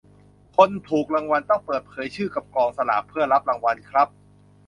คนถูกรางวัลต้องเปิดเผยชื่อกับกองสลากเพื่อรับรางวัลครับ.